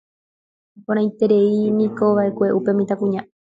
Iporãitereivoínikova'ekue upe mitãkuña